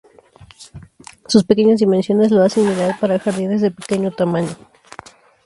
Sus pequeñas dimensiones lo hacen ideal para jardines de pequeño tamaño.